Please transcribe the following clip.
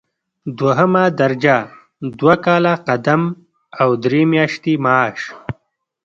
دوهمه درجه دوه کاله قدم او درې میاشتې معاش.